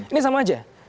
ini sama aja